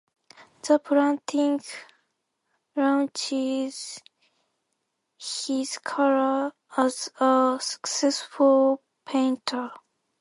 The painting launched his career as a successful painter.